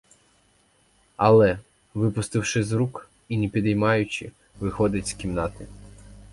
Але, випустивши з рук і не підіймаючи, виходить із кімнати.